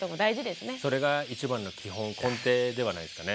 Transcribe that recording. それが一番の基本根底ではないですかね。